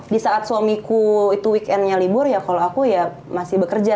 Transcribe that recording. di saat suamiku itu weekendnya libur ya kalau aku ya masih bekerja